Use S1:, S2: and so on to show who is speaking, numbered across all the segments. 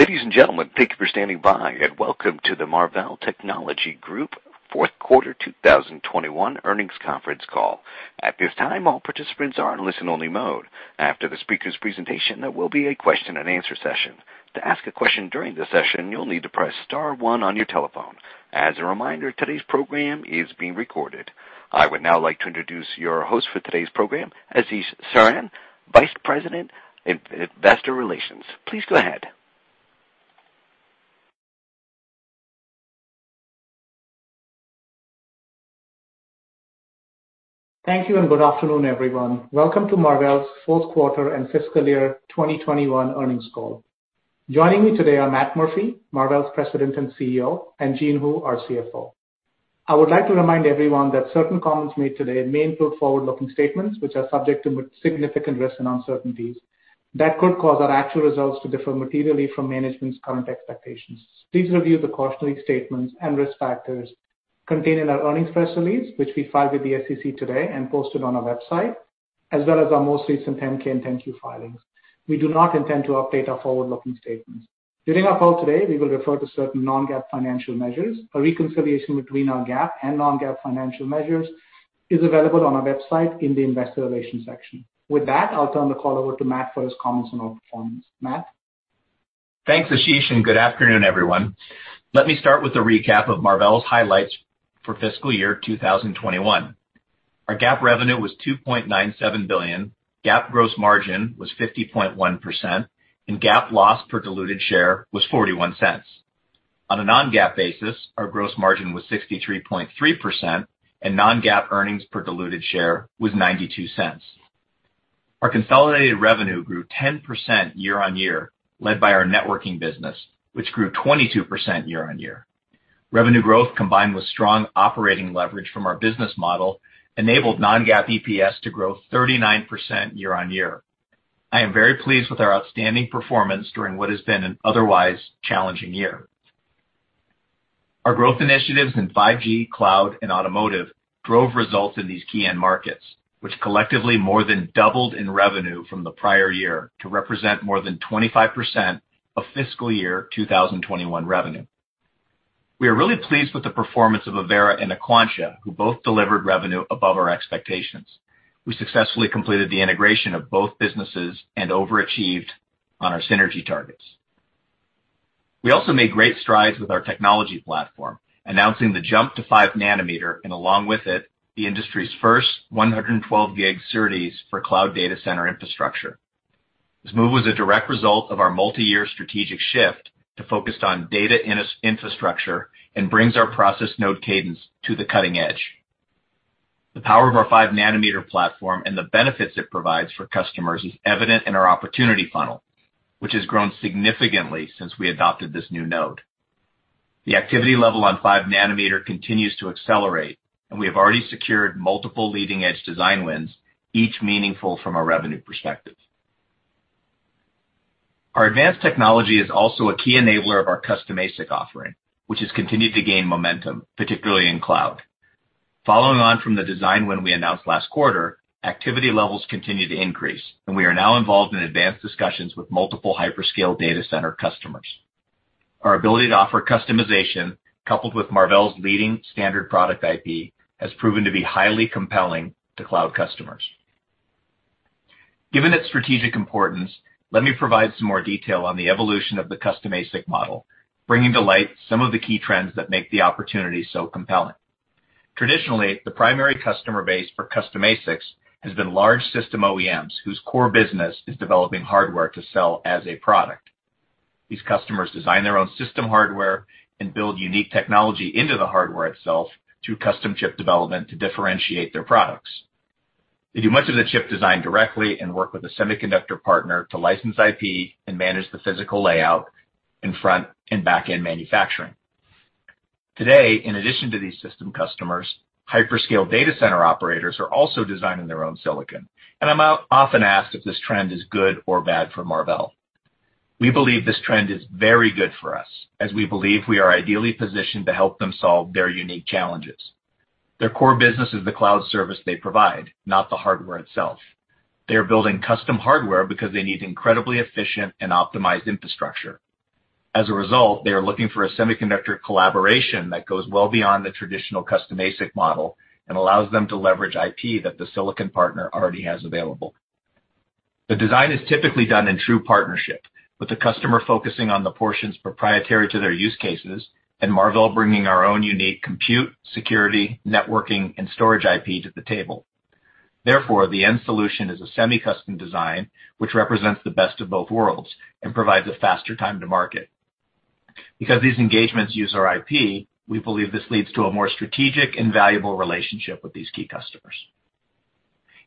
S1: Ladies and gentlemen, thank you for standing by, and welcome to the Marvell Technology Group fourth quarter 2021 earnings conference call. At this time, all participants are in listen only mode. After the speaker's presentation, there will be a question and answer session. To ask a question during the session, you'll need to press star one on your telephone. As a reminder, today's program is being recorded. I would now like to introduce your host for today's program, Ashish Saran, Vice President, Investor Relations. Please go ahead.
S2: Thank you and good afternoon, everyone. Welcome to Marvell's fourth quarter and fiscal year 2021 earnings call. Joining me today are Matt Murphy, Marvell's President and CEO, and Jean Hu, our CFO. I would like to remind everyone that certain comments made today may include forward-looking statements, which are subject to significant risks and uncertainties that could cause our actual results to differ materially from management's current expectations. Please review the cautionary statements and risk factors contained in our earnings press release, which we filed with the SEC today and posted on our website, as well as our most recent 10-K and 10-Q filings. We do not intend to update our forward-looking statements. During our call today, we will refer to certain non-GAAP financial measures. A reconciliation between our GAAP and non-GAAP financial measures is available on our website in the investor relations section. With that, I'll turn the call over to Matt for his comments on our performance. Matt?
S3: Thanks, Ashish, and good afternoon, everyone. Let me start with a recap of Marvell's highlights for fiscal year 2021. Our GAAP revenue was $2.97 billion, GAAP gross margin was 50.1%, and GAAP loss per diluted share was $0.41. On a non-GAAP basis, our gross margin was 63.3%, and non-GAAP earnings per diluted share was $0.92. Our consolidated revenue grew 10% year-on-year, led by our networking business, which grew 22% year-on-year. Revenue growth, combined with strong operating leverage from our business model, enabled non-GAAP EPS to grow 39% year-on-year. I am very pleased with our outstanding performance during what has been an otherwise challenging year. Our growth initiatives in 5G, cloud, and automotive drove results in these key end markets, which collectively more than doubled in revenue from the prior year to represent more than 25% of fiscal year 2021 revenue. We are really pleased with the performance of Avera and Aquantia, who both delivered revenue above our expectations. We successfully completed the integration of both businesses and overachieved on our synergy targets. We also made great strides with our technology platform, announcing the jump to 5 nanometer, and along with it, the industry's first 112 Gb SerDes for cloud data center infrastructure. This move was a direct result of our multi-year strategic shift to focus on data infrastructure and brings our process node cadence to the cutting edge. The power of our 5 nm platform and the benefits it provides for customers is evident in our opportunity funnel, which has grown significantly since we adopted this new node. The activity level on 5 nm continues to accelerate. We have already secured multiple leading-edge design wins, each meaningful from a revenue perspective. Our advanced technology is also a key enabler of our custom ASIC offering, which has continued to gain momentum, particularly in cloud. Following on from the design win we announced last quarter, activity levels continue to increase, and we are now involved in advanced discussions with multiple hyperscale data center customers. Our ability to offer customization, coupled with Marvell's leading standard product IP, has proven to be highly compelling to cloud customers. Given its strategic importance, let me provide some more detail on the evolution of the custom ASIC model, bringing to light some of the key trends that make the opportunity so compelling. Traditionally, the primary customer base for custom ASICs has been large system OEMs, whose core business is developing hardware to sell as a product. These customers design their own system hardware and build unique technology into the hardware itself through custom chip development to differentiate their products. They do much of the chip design directly and work with a semiconductor partner to license IP and manage the physical layout in front and back-end manufacturing. Today, in addition to these system customers, hyperscale data center operators are also designing their own silicon, and I'm often asked if this trend is good or bad for Marvell. We believe this trend is very good for us, as we believe we are ideally positioned to help them solve their unique challenges. Their core business is the cloud service they provide, not the hardware itself. They are building custom hardware because they need incredibly efficient and optimized infrastructure. As a result, they are looking for a semiconductor collaboration that goes well beyond the traditional custom ASIC model and allows them to leverage IP that the silicon partner already has available. The design is typically done in true partnership with the customer focusing on the portions proprietary to their use cases and Marvell bringing our own unique compute, security, networking, and storage IP to the table. The end solution is a semi-custom design, which represents the best of both worlds and provides a faster time to market. These engagements use our IP, we believe this leads to a more strategic and valuable relationship with these key customers.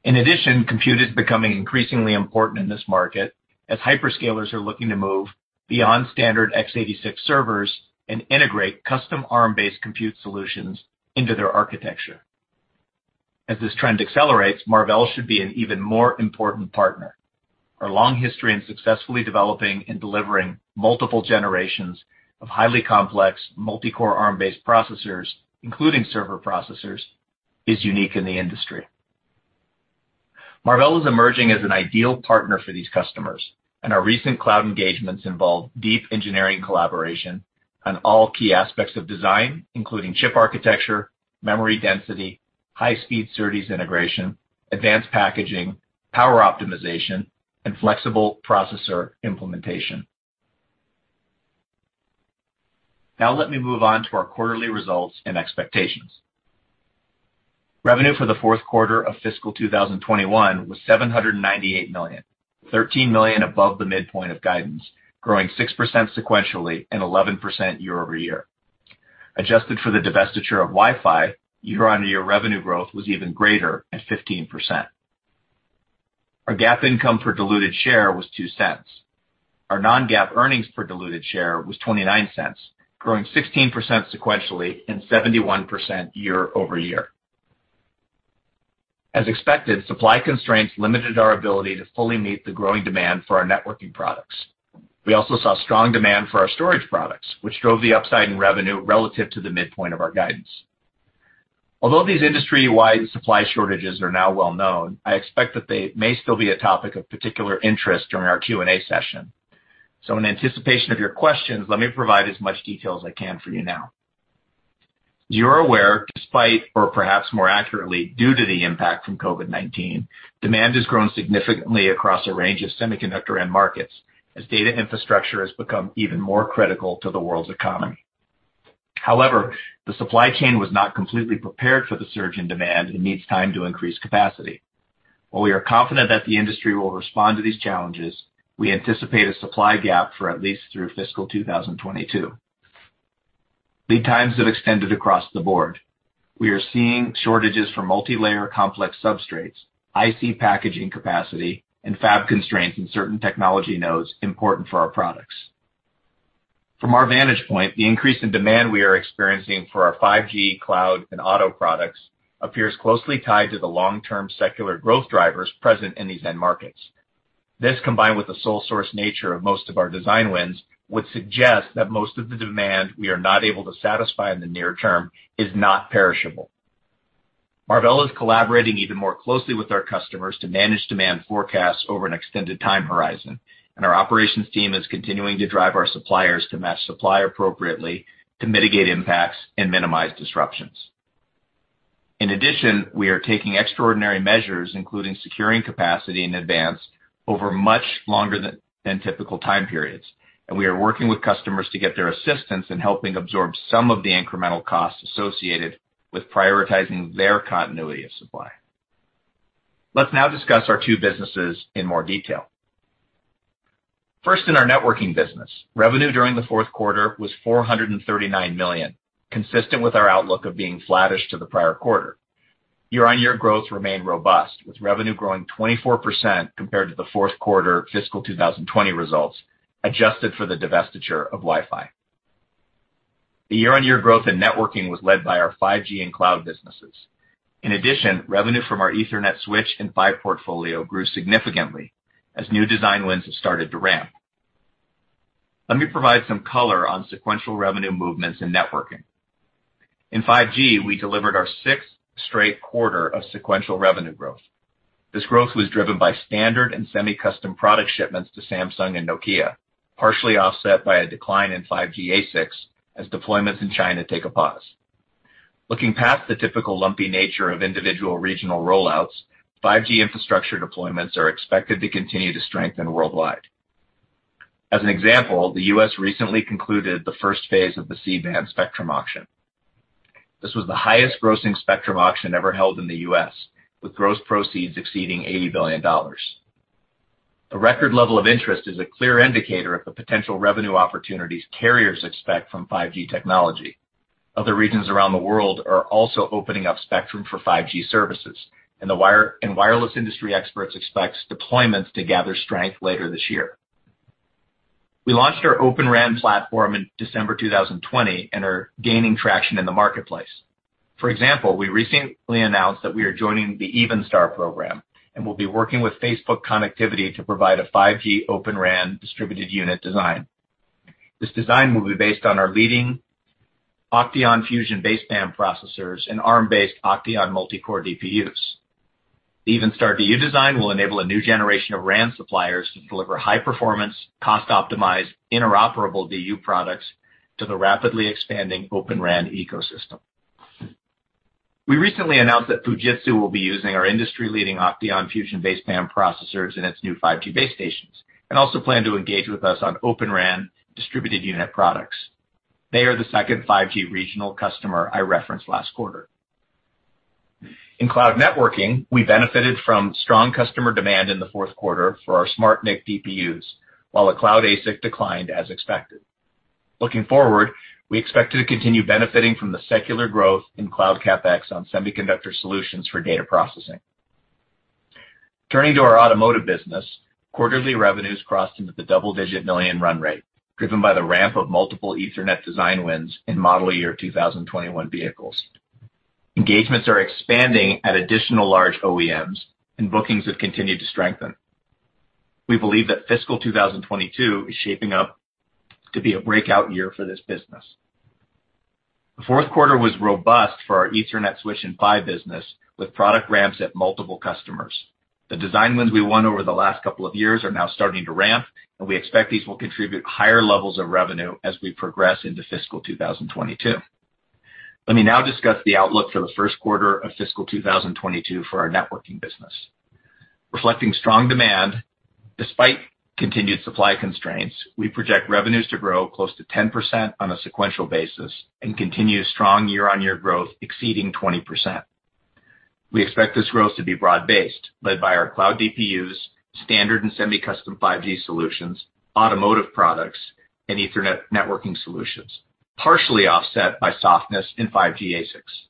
S3: Compute is becoming increasingly important in this market as hyperscalers are looking to move beyond standard x86 servers and integrate custom Arm-based compute solutions into their architecture. As this trend accelerates, Marvell should be an even more important partner. Our long history in successfully developing and delivering multiple generations of highly complex multi-core Arm-based processors, including server processors, is unique in the industry. Marvell is emerging as an ideal partner for these customers, our recent cloud engagements involve deep engineering collaboration on all key aspects of design, including chip architecture, memory density, high speed SerDes integration, advanced packaging, power optimization, and flexible processor implementation. Let me move on to our quarterly results and expectations. Revenue for the fourth quarter of fiscal 2021 was $798 million, $13 million above the midpoint of guidance, growing 6% sequentially and 11% year-over-year. Adjusted for the divestiture of Wi-Fi, year-on-year revenue growth was even greater at 15%. Our GAAP income per diluted share was $0.02. Our non-GAAP earnings per diluted share was $0.29, growing 16% sequentially and 71% year-over-year. As expected, supply constraints limited our ability to fully meet the growing demand for our networking products. We also saw strong demand for our storage products, which drove the upside in revenue relative to the midpoint of our guidance. Although these industry-wide supply shortages are now well known, I expect that they may still be a topic of particular interest during our Q&A session. In anticipation of your questions, let me provide as much detail as I can for you now. As you're aware, despite or perhaps more accurately, due to the impact from COVID-19, demand has grown significantly across a range of semiconductor end markets as data infrastructure has become even more critical to the world's economy. However, the supply chain was not completely prepared for the surge in demand and needs time to increase capacity. While we are confident that the industry will respond to these challenges, we anticipate a supply gap for at least through fiscal 2022. Lead times have extended across the board. We are seeing shortages for multilayer complex substrates, IC packaging capacity, and fab constraints in certain technology nodes important for our products. From our vantage point, the increase in demand we are experiencing for our 5G cloud and auto products appears closely tied to the long-term secular growth drivers present in these end markets. This, combined with the sole source nature of most of our design wins, would suggest that most of the demand we are not able to satisfy in the near term is not perishable. Marvell is collaborating even more closely with our customers to manage demand forecasts over an extended time horizon, and our operations team is continuing to drive our suppliers to match supply appropriately to mitigate impacts and minimize disruptions. In addition, we are taking extraordinary measures, including securing capacity in advance over much longer than typical time periods, and we are working with customers to get their assistance in helping absorb some of the incremental costs associated with prioritizing their continuity of supply. Let's now discuss our two businesses in more detail. First, in our networking business, revenue during the fourth quarter was $439 million, consistent with our outlook of being flattish to the prior quarter. Year-on-year growth remained robust, with revenue growing 24% compared to the fourth quarter fiscal 2020 results, adjusted for the divestiture of Wi-Fi. The year-on-year growth in networking was led by our 5G and cloud businesses. In addition, revenue from our Ethernet switch and PHY portfolio grew significantly as new design wins have started to ramp. Let me provide some color on sequential revenue movements in networking. In 5G, we delivered our sixth straight quarter of sequential revenue growth. This growth was driven by standard and semi-custom product shipments to Samsung and Nokia, partially offset by a decline in 5G ASICs as deployments in China take a pause. Looking past the typical lumpy nature of individual regional rollouts, 5G infrastructure deployments are expected to continue to strengthen worldwide. As an example, the U.S. recently concluded the first phase of the C-band spectrum auction. This was the highest grossing spectrum auction ever held in the U.S., with gross proceeds exceeding $80 billion. The record level of interest is a clear indicator of the potential revenue opportunities carriers expect from 5G technology. Other regions around the world are also opening up spectrum for 5G services, and wireless industry experts expect deployments to gather strength later this year. We launched our Open RAN platform in December 2020 and are gaining traction in the marketplace. For example, we recently announced that we are joining the Evenstar program and will be working with Facebook Connectivity to provide a 5G Open RAN distributed unit design. This design will be based on our leading OCTEON Fusion baseband processors and Arm-based OCTEON multi-core DPUs. The Evenstar DU design will enable a new generation of RAN suppliers to deliver high performance, cost optimized, interoperable DU products to the rapidly expanding Open RAN ecosystem. We recently announced that Fujitsu will be using our industry leading OCTEON Fusion baseband processors in its new 5G base stations and also plan to engage with us on Open RAN distributed unit products. They are the second 5G regional customer I referenced last quarter. In cloud networking, we benefited from strong customer demand in the fourth quarter for our SmartNIC DPUs, while the cloud ASIC declined as expected. Looking forward, we expect to continue benefiting from the secular growth in cloud CapEx on semiconductor solutions for data processing. Turning to our automotive business, quarterly revenues crossed into the double-digit million run rate, driven by the ramp of multiple Ethernet design wins in model year 2021 vehicles. Engagements are expanding at additional large OEMs and bookings have continued to strengthen. We believe that fiscal 2022 is shaping up to be a breakout year for this business. The fourth quarter was robust for our Ethernet switch and PHY business with product ramps at multiple customers. The design wins we won over the last couple of years are now starting to ramp. We expect these will contribute higher levels of revenue as we progress into fiscal 2022. Let me now discuss the outlook for the first quarter of fiscal 2022 for our networking business. Reflecting strong demand, despite continued supply constraints, we project revenues to grow close to 10% on a sequential basis and continue strong year-on-year growth exceeding 20%. We expect this growth to be broad-based, led by our cloud DPUs, standard and semi-custom 5G solutions, automotive products and Ethernet networking solutions, partially offset by softness in 5G ASICs.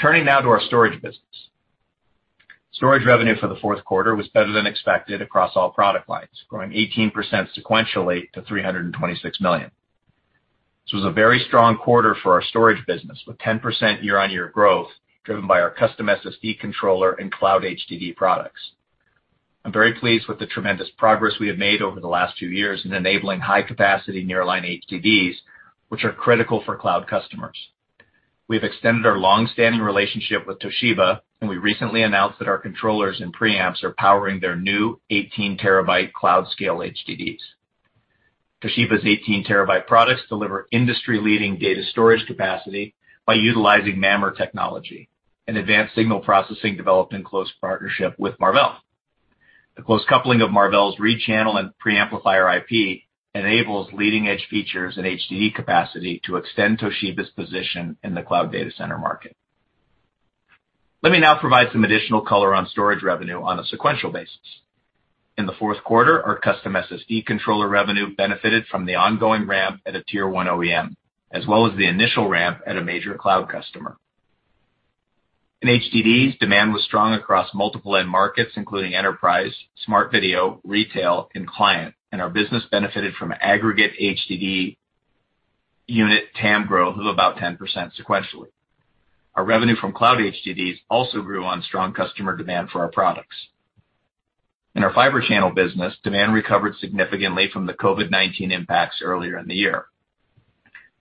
S3: Turning now to our storage business. Storage revenue for the fourth quarter was better than expected across all product lines, growing 18% sequentially to $326 million. This was a very strong quarter for our storage business, with 10% year-on-year growth driven by our custom SSD controller and cloud HDD products. I'm very pleased with the tremendous progress we have made over the last two years in enabling high capacity nearline HDDs, which are critical for cloud customers. We've extended our long-standing relationship with Toshiba, and we recently announced that our controllers and preamps are powering their new 18 TB cloud scale HDDs. Toshiba's 18 TB products deliver industry leading data storage capacity by utilizing MAMR technology, an advanced signal processing developed in close partnership with Marvell. The close coupling of Marvell's rechannel and preamplifier IP enables leading edge features and HDD capacity to extend Toshiba's position in the cloud data center market. Let me now provide some additional color on storage revenue on a sequential basis. In the fourth quarter, our custom SSD controller revenue benefited from the ongoing ramp at a Tier 1 OEM, as well as the initial ramp at a major cloud customer. In HDDs, demand was strong across multiple end markets, including enterprise, smart video, retail, and client, and our business benefited from aggregate HDD unit TAM growth of about 10% sequentially. Our revenue from cloud HDDs also grew on strong customer demand for our products. In our Fibre Channel business, demand recovered significantly from the COVID-19 impacts earlier in the year.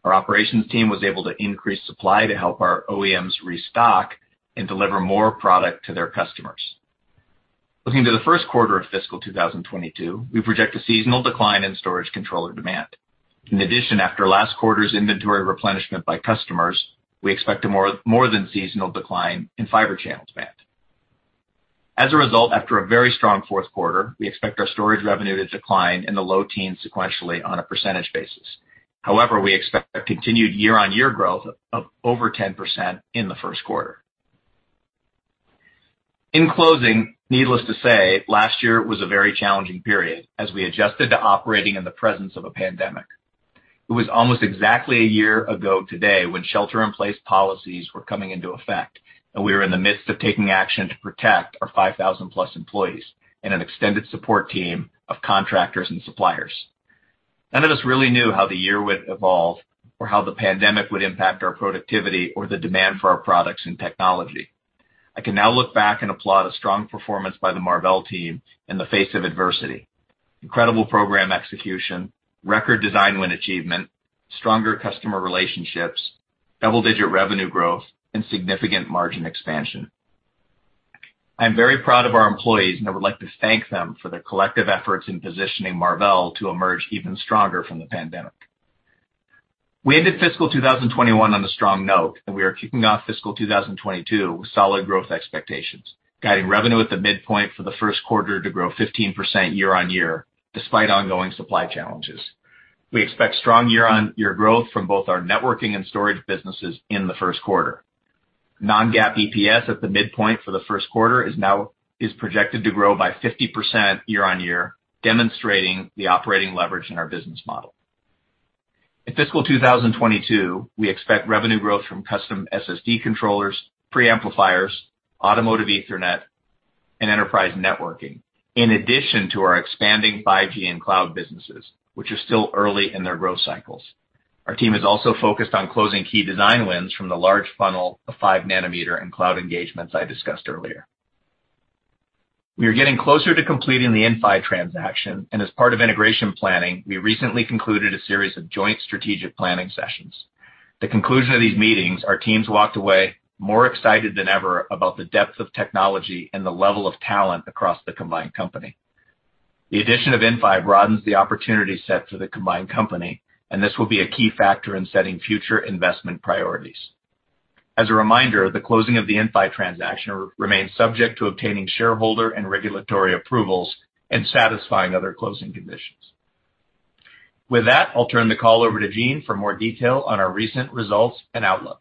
S3: Our operations team was able to increase supply to help our OEMs restock and deliver more product to their customers. Looking to the first quarter of FY 2022, we project a seasonal decline in storage controller demand. In addition, after last quarter's inventory replenishment by customers, we expect a more than seasonal decline in Fibre Channel demand. As a result, after a very strong fourth quarter, we expect our storage revenue to decline in the low teens sequentially on a percentage basis. However, we expect continued year-over-year growth of over 10% in the first quarter. In closing, needless to say, last year was a very challenging period as we adjusted to operating in the presence of a pandemic. It was almost exactly a year ago today when shelter in place policies were coming into effect and we were in the midst of taking action to protect our 5,000+ employees and an extended support team of contractors and suppliers. None of us really knew how the year would evolve or how the pandemic would impact our productivity or the demand for our products and technology. I can now look back and applaud a strong performance by the Marvell team in the face of adversity. Incredible program execution, record design win achievement, stronger customer relationships, double-digit revenue growth, and significant margin expansion. I am very proud of our employees and I would like to thank them for their collective efforts in positioning Marvell to emerge even stronger from the pandemic. We ended fiscal 2021 on a strong note, and we are kicking off fiscal 2022 with solid growth expectations, guiding revenue at the midpoint for the first quarter to grow 15% year-over-year, despite ongoing supply challenges. We expect strong year-over-year growth from both our networking and storage businesses in the first quarter. Non-GAAP EPS at the midpoint for the first quarter is projected to grow by 50% year-over-year, demonstrating the operating leverage in our business model. In fiscal 2022, we expect revenue growth from custom SSD controllers, preamplifiers, automotive Ethernet, and enterprise networking. In addition to our expanding 5G and cloud businesses, which are still early in their growth cycles. Our team is also focused on closing key design wins from the large funnel of five nanometer and cloud engagements I discussed earlier. We are getting closer to completing the Inphi transaction, and as part of integration planning, we recently concluded a series of joint strategic planning sessions. At the conclusion of these meetings, our teams walked away more excited than ever about the depth of technology and the level of talent across the combined company. The addition of Inphi broadens the opportunity set for the combined company, and this will be a key factor in setting future investment priorities. As a reminder, the closing of the Inphi transaction remains subject to obtaining shareholder and regulatory approvals and satisfying other closing conditions. With that, I'll turn the call over to Jean for more detail on our recent results and outlook.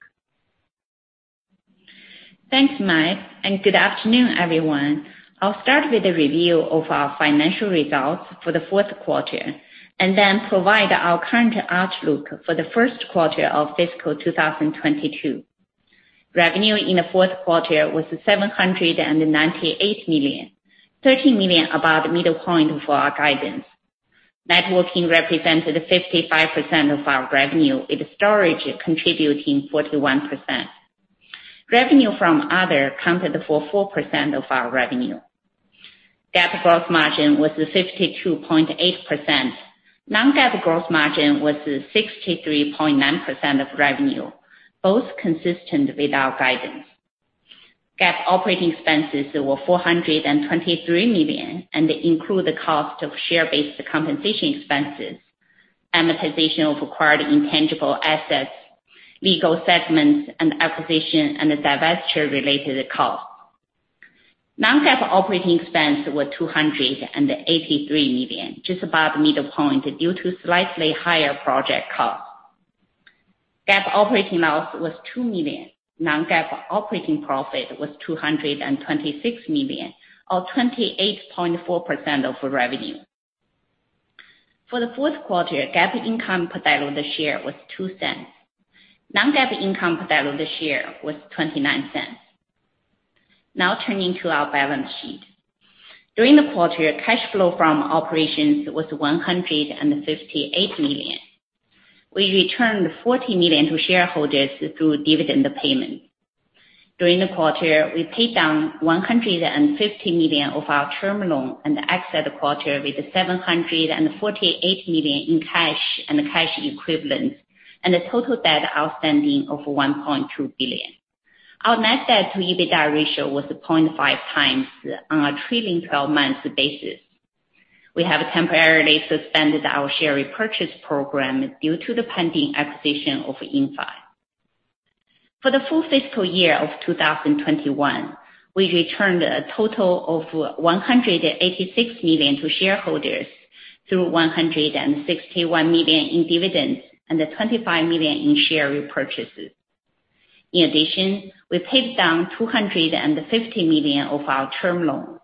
S4: Thanks, Matt. Good afternoon, everyone. I'll start with a review of our financial results for the fourth quarter and then provide our current outlook for the first quarter of fiscal 2022. Revenue in the fourth quarter was $798 million, $13 million above the middle point for our guidance. Networking represented 55% of our revenue, with storage contributing 41%. Revenue from other accounted for 4% of our revenue. GAAP gross margin was 52.8%. Non-GAAP gross margin was 63.9% of revenue, both consistent with our guidance. GAAP operating expenses were $423 million, and they include the cost of share-based compensation expenses, amortization of acquired intangible assets, legal settlements, and acquisition and divestiture-related costs. Non-GAAP operating expense were $283 million, just above middle point due to slightly higher project costs. GAAP operating loss was $2 million. Non-GAAP operating profit was $226 million, or 28.4% of revenue. For the fourth quarter, GAAP income per diluted share was $0.02. Non-GAAP income per diluted share was $0.29. Now turning to our balance sheet. During the quarter, cash flow from operations was $158 million. We returned $40 million to shareholders through dividend payments. During the quarter, we paid down $150 million of our term loan and exit the quarter with $748 million in cash and cash equivalents, and a total debt outstanding of $1.2 billion. Our net debt to EBITDA ratio was 0.5x on a trailing 12 months basis. We have temporarily suspended our share repurchase program due to the pending acquisition of Inphi. For the full fiscal year of 2021, we returned a total of $186 million to shareholders through $161 million in dividends and $25 million in share repurchases. In addition, we paid down $250 million of our term loan.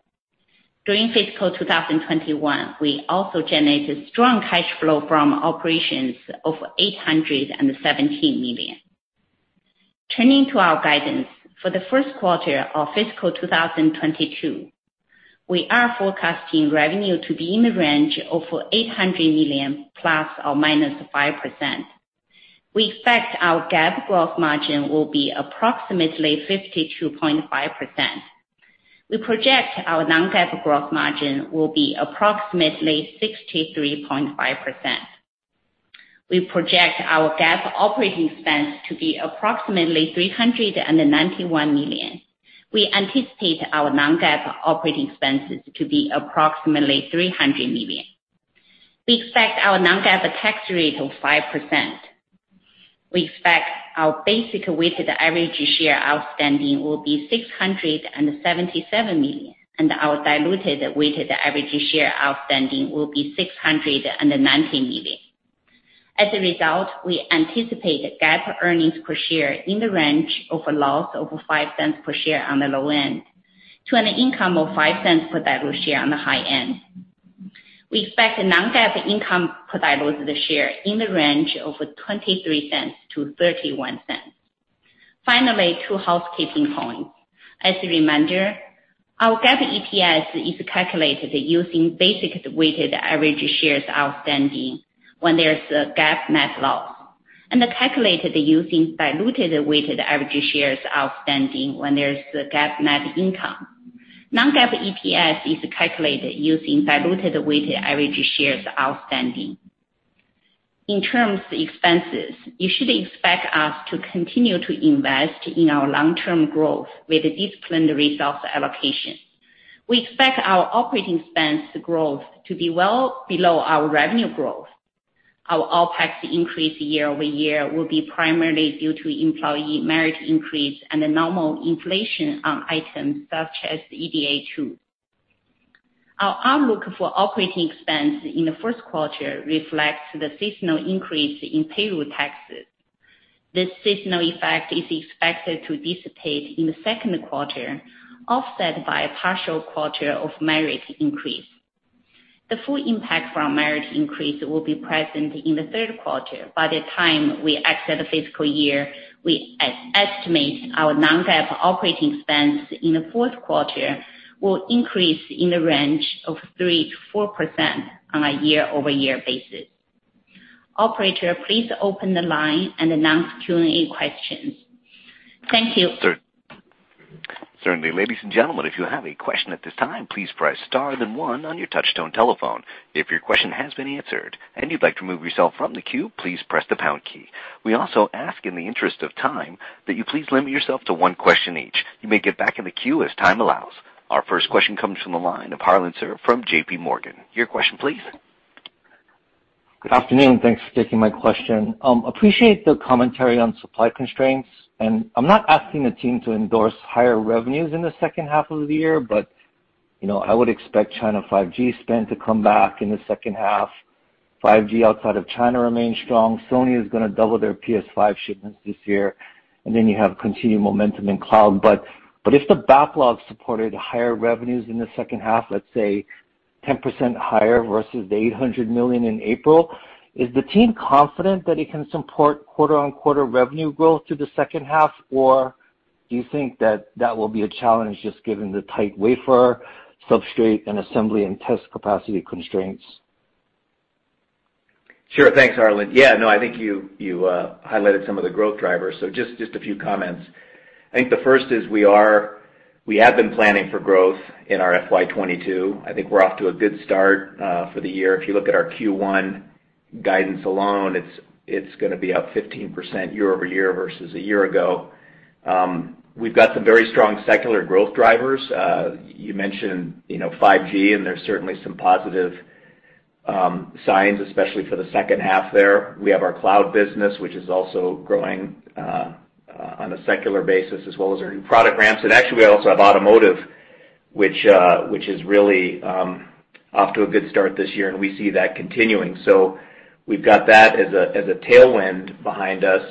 S4: During fiscal 2021, we also generated strong cash flow from operations of $817 million. Turning to our guidance. For the first quarter of fiscal 2022, we are forecasting revenue to be in the range of $800 million ±5%. We expect our GAAP gross margin will be approximately 52.5%. We project our non-GAAP gross margin will be approximately 63.5%. We project our GAAP operating expense to be approximately $391 million. We anticipate our non-GAAP operating expenses to be approximately $300 million. We expect our non-GAAP tax rate of 5%. We expect our basic weighted average share outstanding will be 677 million, and our diluted weighted average share outstanding will be 690 million. As a result, we anticipate GAAP earnings per share in the range of a loss of $0.05 per share on the low end to an income of $0.05 per diluted share on the high end. We expect non-GAAP income per diluted share in the range of $0.23-$0.31. Finally, two housekeeping points. As a reminder, our GAAP EPS is calculated using basic weighted average shares outstanding when there is a GAAP net loss, and calculated using diluted weighted average shares outstanding when there is a GAAP net income. Non-GAAP EPS is calculated using diluted weighted average shares outstanding. In terms of expenses, you should expect us to continue to invest in our long-term growth with a disciplined resource allocation. We expect our operating expense growth to be well below our revenue growth. Our OpEx increase year-over-year will be primarily due to employee merit increase and the normal inflation on items such as EDA tools. Our outlook for operating expense in the first quarter reflects the seasonal increase in payroll taxes. This seasonal effect is expected to dissipate in the second quarter, offset by a partial quarter of merit increase. The full impact from merit increase will be present in the third quarter. By the time we exit the fiscal year, we estimate our non-GAAP operating expense in the fourth quarter will increase in the range of 3%-4% on a year-over-year basis. Operator, please open the line and announce Q&A questions. Thank you.
S1: Certainly. Ladies and gentlemen, if you have a question at this time, please press star then one on your touch-tone telephone. If your question has been answered and you'd like to remove yourself from the queue, please press the pound key. We also ask in the interest of time, that you please limit yourself to one question each. You may get back in the queue as time allows. Our first question comes from the line of Harlan Sur, from JPMorgan. Your question please.
S5: Good afternoon, thanks for taking my question. I appreciate the commentary on supply constraints. I'm not asking the team to endorse higher revenues in the second half of the year. I would expect China 5G spend to come back in the second half. 5G outside of China remains strong. Sony is going to double their PS5 shipments this year. You have continued momentum in cloud. If the backlog supported higher revenues in the second half, let's say 10% higher versus the $800 million in April, is the team confident that it can support quarter-on-quarter revenue growth through the second half? Do you think that that will be a challenge just given the tight wafer substrate and assembly and test capacity constraints?
S3: Sure. Thanks, Harlan. Yeah, no, I think you highlighted some of the growth drivers. Just a few comments. I think the first is we have been planning for growth in our FY 2022. I think we're off to a good start for the year. If you look at our Q1 guidance alone, it's going to be up 15% year-over-year versus a year ago. We've got some very strong secular growth drivers. You mentioned 5G, and there's certainly some positive signs, especially for the second half there. We have our cloud business, which is also growing on a secular basis, as well as our new product ramps. Actually, we also have automotive, which is really off to a good start this year, and we see that continuing. We've got that as a tailwind behind us.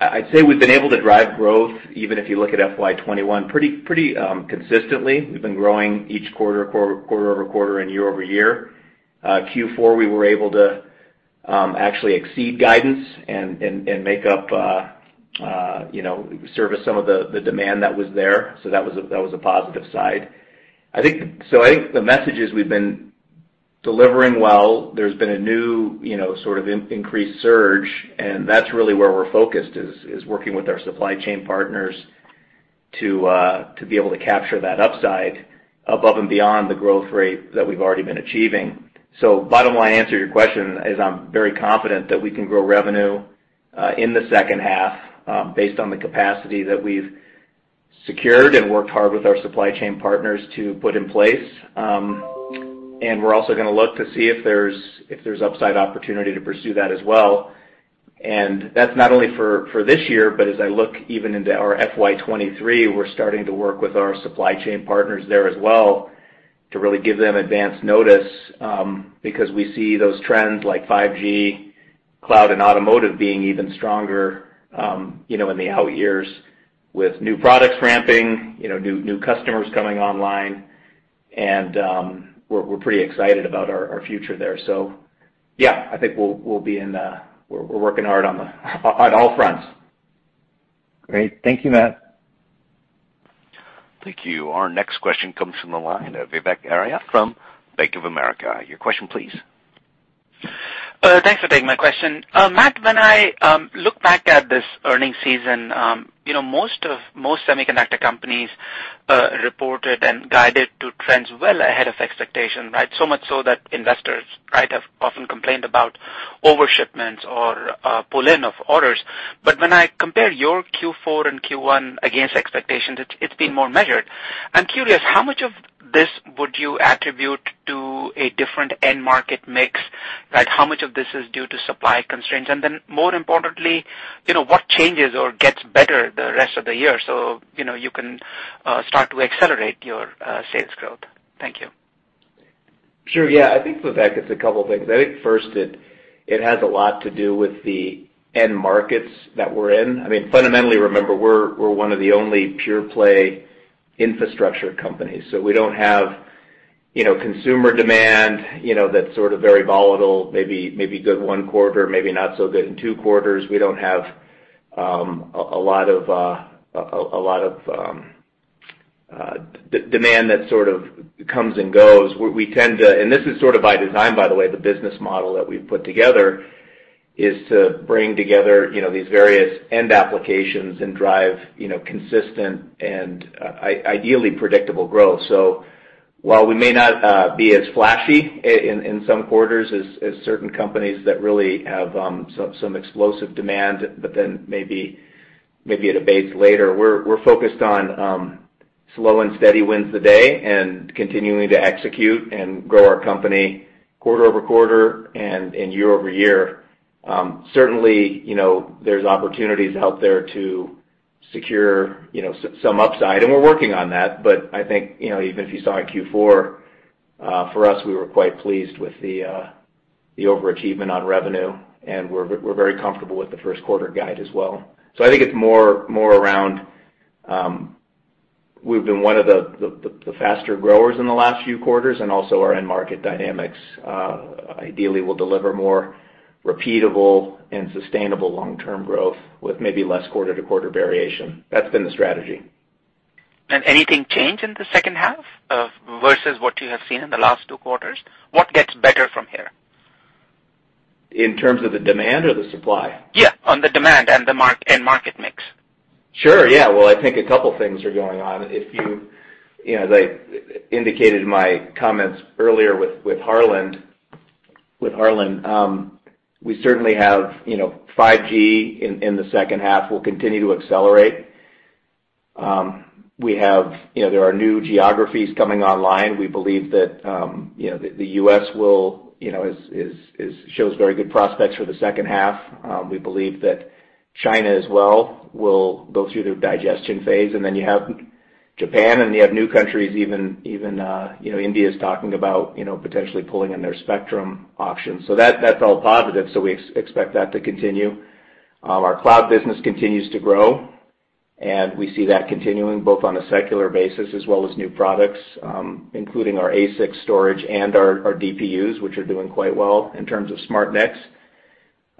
S3: I'd say we've been able to drive growth, even if you look at FY 2021 pretty consistently. We've been growing each quarter-over-quarter and year-over-year. Q4, we were able to actually exceed guidance and service some of the demand that was there. That was a positive side. I think the message is we've been delivering well. There's been a new sort of increased surge, and that's really where we're focused, is working with our supply chain partners to be able to capture that upside above and beyond the growth rate that we've already been achieving. Bottom line answer to your question is I'm very confident that we can grow revenue in the second half based on the capacity that we've secured and worked hard with our supply chain partners to put in place. We're also going to look to see if there's upside opportunity to pursue that as well. That's not only for this year, but as I look even into our FY 2023, we're starting to work with our supply chain partners there as well to really give them advance notice, because we see those trends, like 5G, cloud, and automotive being even stronger, in the out years with new products ramping, new customers coming online. We're pretty excited about our future there. Yeah, I think we're working hard on all fronts.
S5: Great. Thank you, Matt.
S1: Thank you. Our next question comes from the line of Vivek Arya from Bank of America. Your question, please.
S6: Thanks for taking my question. Matt, when I look back at this earning season, most semiconductor companies reported and guided to trends well ahead of expectation. Much so that investors have often complained about overshipments or pull-in of orders. When I compare your Q4 and Q1 against expectations, it's been more measured. I'm curious, how much of this would you attribute to a different end market mix? How much of this is due to supply constraints? More importantly, what changes or gets better the rest of the year so you can start to accelerate your sales growth? Thank you.
S3: Sure. Yeah. I think, Vivek, it's a couple things. I think first, it has a lot to do with the end markets that we're in. Fundamentally, remember, we're one of the only pure play infrastructure companies. We don't have consumer demand that's sort of very volatile, maybe good one quarter, maybe not so good in two quarters. We don't have a lot of demand that sort of comes and goes. This is sort of by design, by the way, the business model that we've put together is to bring together these various end applications and drive consistent and ideally predictable growth. While we may not be as flashy in some quarters as certain companies that really have some explosive demand, maybe it abates later. We're focused on slow and steady wins the day and continuing to execute and grow our company quarter-over-quarter and year-over-year. Certainly, there's opportunities out there to secure some upside, and we're working on that. I think even if you saw in Q4, for us, we were quite pleased with the overachievement on revenue, and we're very comfortable with the first quarter guide as well. I think it's more around, we've been one of the faster growers in the last few quarters, and also our end market dynamics ideally will deliver more repeatable and sustainable long-term growth with maybe less quarter-to-quarter variation. That's been the strategy.
S6: Anything change in the second half versus what you have seen in the last two quarters? What gets better from here?
S3: In terms of the demand or the supply?
S6: Yeah, on the demand and market mix.
S3: Sure. Well, I think a couple things are going on. As I indicated in my comments earlier with Harlan, 5G in the second half will continue to accelerate. There are new geographies coming online. We believe that the U.S. shows very good prospects for the second half. We believe that China as well will go through their digestion phase. You have Japan. You have new countries. Even India is talking about potentially pulling in their spectrum options. That's all positive. We expect that to continue. Our cloud business continues to grow. We see that continuing both on a secular basis as well as new products, including our ASIC storage and our DPUs, which are doing quite well in terms of SmartNICs.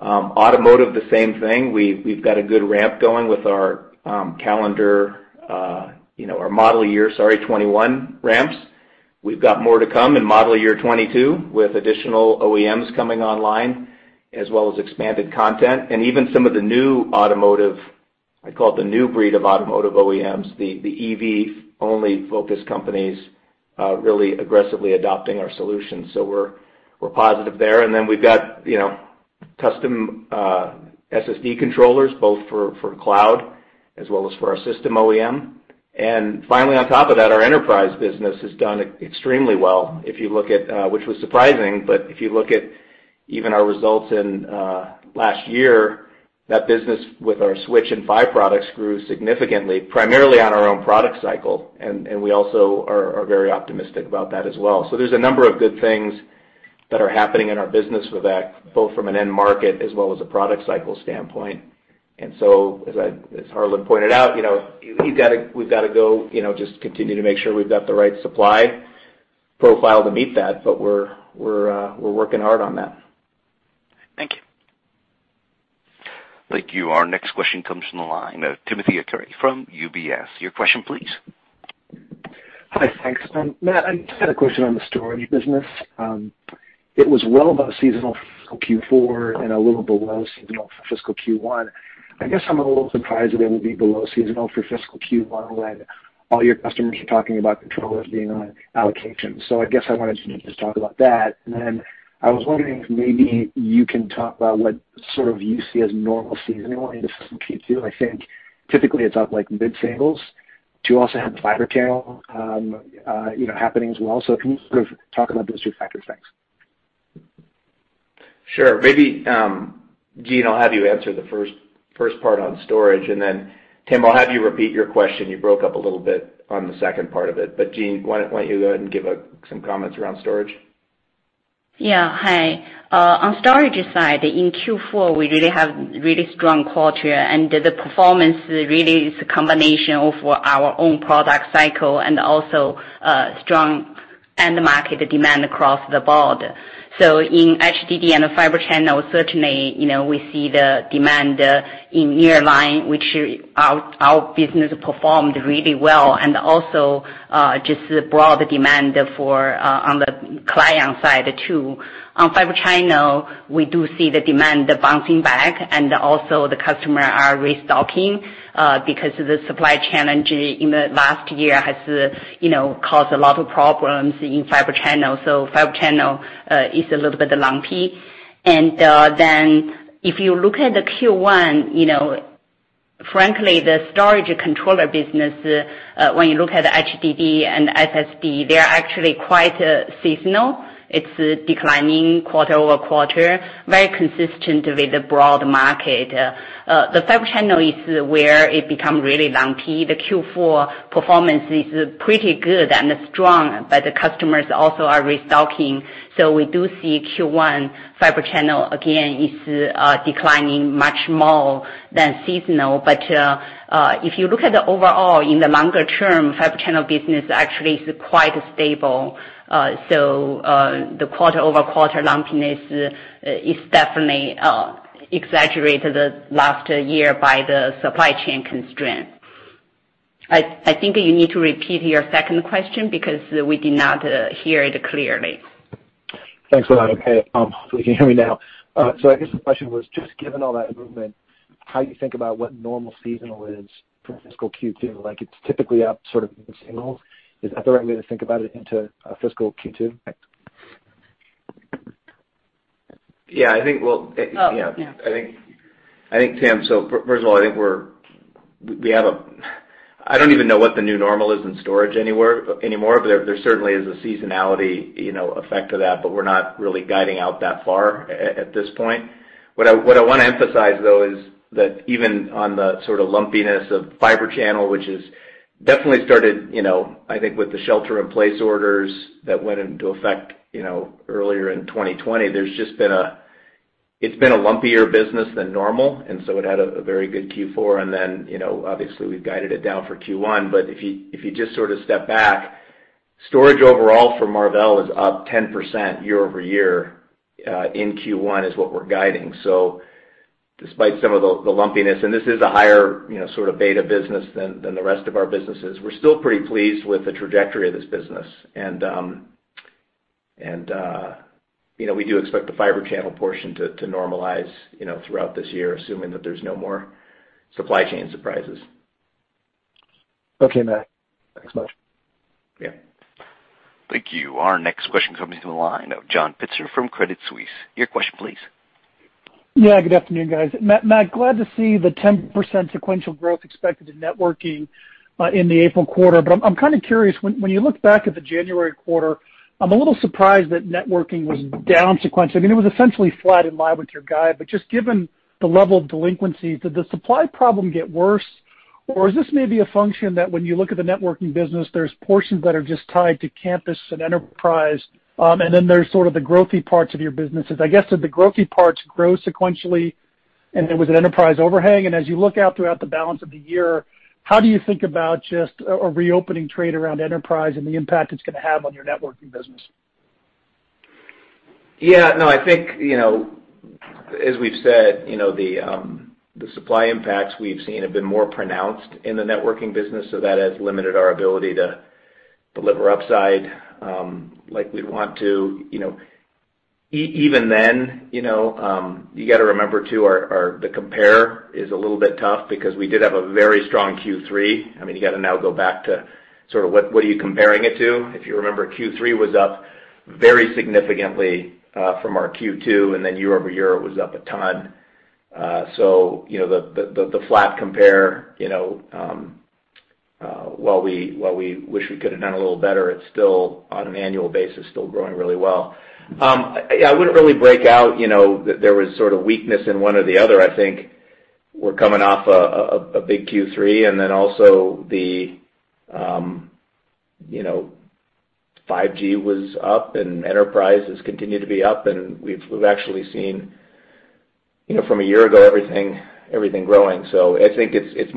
S3: Automotive, the same thing. We've got a good ramp going with our model year 21 ramps. We've got more to come in model year 2022 with additional OEMs coming online, as well as expanded content. Even some of the new automotive, I call it the new breed of automotive OEMs, the EV-only focused companies, really aggressively adopting our solutions. We're positive there. We've got custom SSD controllers, both for cloud as well as for our system OEM. Finally, on top of that, our enterprise business has done extremely well, which was surprising, but if you look at even our results in last year, that business with our switch and PHY products grew significantly, primarily on our own product cycle, we also are very optimistic about that as well. There's a number of good things that are happening in our business with that, both from an end market as well as a product cycle standpoint. As Harlan pointed out, we've got to just continue to make sure we've got the right supply profile to meet that, but we're working hard on that.
S6: Thank you.
S1: Thank you. Our next question comes from the line of Timothy Arcuri from UBS. Your question, please.
S7: Hi, thanks. Matt, I just had a question on the storage business. It was well above seasonal fiscal Q4 and a little below seasonal fiscal Q1. I guess I'm a little surprised that it would be below seasonal for fiscal Q1 when all your customers are talking about controllers being on allocation. I guess I wanted you to just talk about that. Then I was wondering if maybe you can talk about what you see as normal seasonality into fiscal Q2. I think typically it's up like mid-singles. Do you also have Fibre Channel happening as well? Can you sort of talk about those two factors? Thanks.
S3: Sure. Maybe, Jean, I'll have you answer the first part on storage, and then Tim, I'll have you repeat your question. You broke up a little bit on the second part of it. Jean, why don't you go ahead and give some comments around storage?
S4: Yeah. Hi. On storage side, in Q4, we really have really strong quarter. The performance really is a combination of our own product cycle and also strong end market demand across the board. In HDD and Fibre Channel, certainly, we see the demand in nearline, which our business performed really well, and also just the broad demand on the client side, too. On Fibre Channel, we do see the demand bouncing back, and also the customer are restocking, because of the supply challenge in the last year has caused a lot of problems in Fibre Channel. Fibre Channel is a little bit lumpy. If you look at the Q1, frankly, the storage controller business, when you look at HDD and SSD, they are actually quite seasonal. It's declining quarter-over-quarter, very consistent with the broad market. The Fibre Channel is where it becomes really lumpy. The Q4 performance is pretty good and strong. The customers also are restocking. We do see Q1 Fibre Channel, again, is declining much more than seasonal. If you look at the overall, in the longer term, Fibre Channel business actually is quite stable. The quarter-over-quarter lumpiness is definitely exaggerated last year by the supply chain constraint. I think you need to repeat your second question because we did not hear it clearly.
S7: Thanks a lot. Okay. Hopefully you can hear me now. I guess the question was just given all that movement, how you think about what normal seasonal is for fiscal Q2? Like, it's typically up sort of in singles. Is that the right way to think about it into fiscal Q2?
S3: Yeah, I think Tim, first of all, I don't even know what the new normal is in storage anymore. There certainly is a seasonality effect of that. We're not really guiding out that far at this point. What I want to emphasize, though, is that even on the sort of lumpiness of Fibre Channel, which has definitely started, I think, with the shelter-in-place orders that went into effect earlier in 2020, it's been a lumpier business than normal. It had a very good Q4. Obviously, we've guided it down for Q1. If you just sort of step back, storage overall for Marvell is up 10% year-over-year in Q1 is what we're guiding. Despite some of the lumpiness, and this is a higher sort of beta business than the rest of our businesses, we're still pretty pleased with the trajectory of this business. We do expect the Fibre Channel portion to normalize throughout this year, assuming that there's no more supply chain surprises.
S7: Okay, Matt. Thanks much.
S3: Yeah.
S1: Thank you. Our next question comes in the line of John Pitzer from Credit Suisse. Your question, please.
S8: Yeah, good afternoon, guys. Matt, glad to see the 10% sequential growth expected in networking in the April quarter. I'm kind of curious, when you look back at the January quarter, I'm a little surprised that networking was down sequentially. I mean, it was essentially flat in line with your guide. Just given the level of delinquency, did the supply problem get worse, or is this maybe a function that when you look at the networking business, there's portions that are just tied to campus and enterprise, and then there's sort of the growthy parts of your businesses. I guess, did the growthy parts grow sequentially? There was an enterprise overhang. As you look out throughout the balance of the year, how do you think about just a reopening trade around enterprise and the impact it's going to have on your networking business?
S3: I think, as we've said, the supply impacts we've seen have been more pronounced in the networking business, so that has limited our ability to deliver upside like we'd want to. You got to remember too, the compare is a little bit tough because we did have a very strong Q3. You got to now go back to sort of what are you comparing it to. If you remember, Q3 was up very significantly from our Q2, and then year-over-year it was up a ton. The flat compare, while we wish we could've done a little better, it's still, on an annual basis, still growing really well. I wouldn't really break out that there was sort of weakness in one or the other. I think we're coming off a big Q3, and then also the 5G was up and enterprise has continued to be up, and we've actually seen, from a year ago, everything growing. I think it's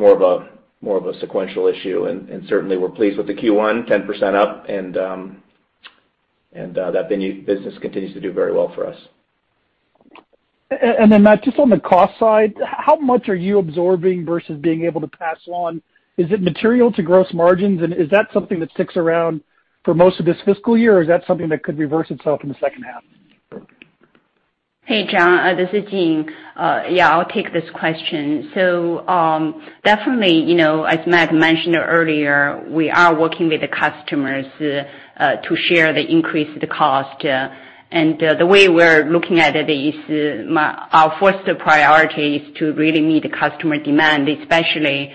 S3: more of a sequential issue, and certainly we're pleased with the Q1, 10% up, and that business continues to do very well for us.
S8: Matt, just on the cost side, how much are you absorbing versus being able to pass on? Is it material to gross margins, and is that something that sticks around for most of this fiscal year, or is that something that could reverse itself in the second half?
S4: Hey, John, this is Jean. Yeah, I'll take this question. Definitely, as Matt mentioned earlier, we are working with the customers to share the increased cost. The way we're looking at it is, our first priority is to really meet the customer demand, especially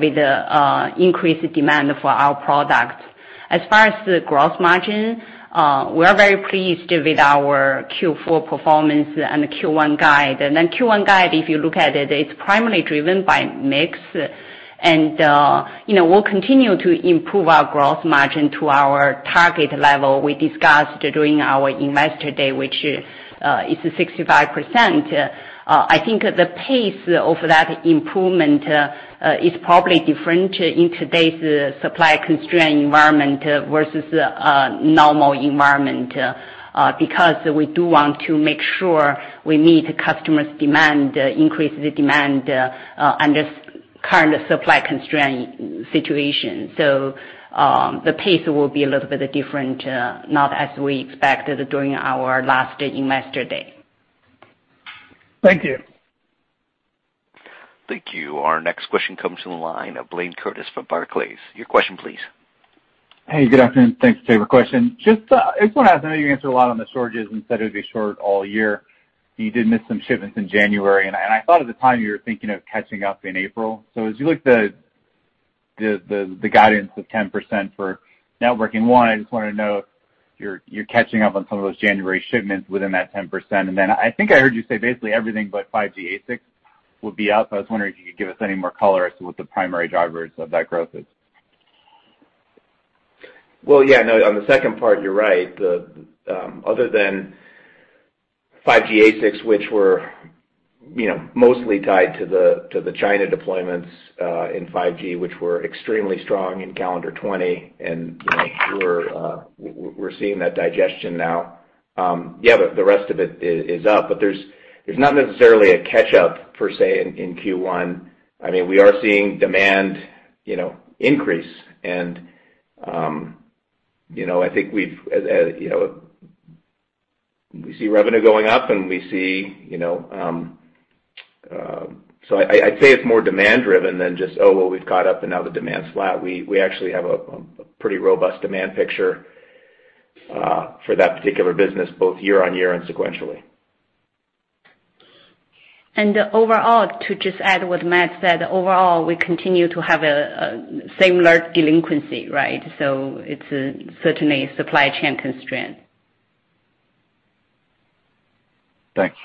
S4: with the increased demand for our products. As far as the gross margin, we are very pleased with our Q4 performance and the Q1 guide. Q1 guide, if you look at it's primarily driven by mix, and we'll continue to improve our gross margin to our target level we discussed during our Investor Day, which is 65%. I think the pace of that improvement is probably different in today's supply-constrained environment versus a normal environment, because we do want to make sure we meet the customer's increased demand under current supply constraint situation. The pace will be a little bit different, not as we expected during our last Investor Day.
S8: Thank you.
S1: Thank you. Our next question comes from the line of Blayne Curtis from Barclays. Your question please.
S9: Hey, good afternoon. Thanks for taking the question. I want to ask, I know you answered a lot on the shortages and said it would be short all year. You did miss some shipments in January, and I thought at the time you were thinking of catching up in April. As you look at the guidance of 10% for networking one, I just wanted to know if you're catching up on some of those January shipments within that 10%. I think I heard you say basically everything but 5G ASICs will be up. I was wondering if you could give us any more color as to what the primary drivers of that growth is.
S3: Well, yeah, no, on the second part, you're right. Other than 5G ASICs, which were mostly tied to the China deployments in 5G, which were extremely strong in calendar 2020, and we're seeing that digestion now. Yeah, but the rest of it is up, but there's not necessarily a catch-up per se in Q1. We are seeing demand increase, and I think we see revenue going up. I'd say it's more demand-driven than just, oh, well, we've caught up and now the demand's flat. We actually have a pretty robust demand picture for that particular business, both year-over-year and sequentially.
S4: Overall, to just add what Matt said, overall, we continue to have a similar delinquency, right? It's certainly supply chain constraint.
S9: Thanks.